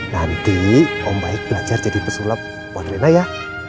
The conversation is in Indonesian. nanti om baik belajar jadi pesulap buat reina ya